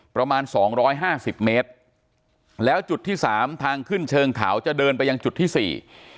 ประมาณสองร้อยห้าสิบเมตรแล้วจุดที่สามทางขึ้นเชิงเขาจะเดินไปยังจุดที่สี่